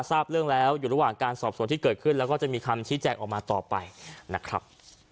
ทราบเรื่องแล้วอยู่ระหว่างการสอบส่วนที่เกิดขึ้นแล้วก็จะมีคำชี้แจงออกมาต่อไปนะครับ